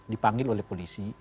dipanggil oleh polisi